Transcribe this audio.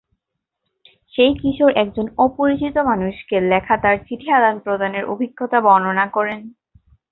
সেই কিশোর একজন অপরিচিত মানুষকে লেখা তার চিঠি আদান-প্রদানের অভিজ্ঞতা বর্ণনা করে।